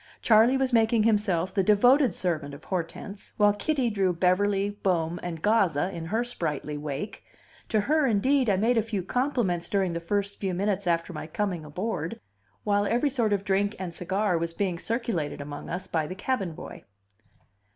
Charley was making himself the devoted servant of Hortense, while Kitty drew Beverly, Bohm, and Gazza in her sprightly wake. To her, indeed, I made a few compliments during the first few minutes after my coming aboard, while every sort of drink and cigar was being circulated among us by the cabin boy.